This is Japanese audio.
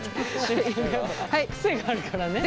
癖があるからね。